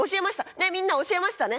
ねえみんな教えましたね？